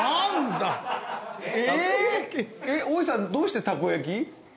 オーイさんどうしてたこ焼き？